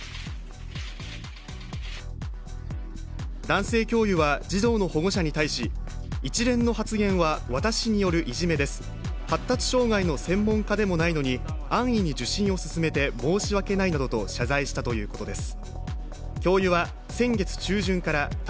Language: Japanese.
男性教諭は児童の保護者に対し一連の発言は私によるいじめです、発達障害の専門家でもないのに安易に受診を勧めて申し訳ないなどと謝罪したということです。